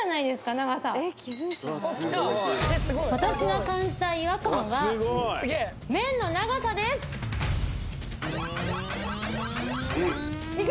長さ私が感じた違和感は麺の長さですいく？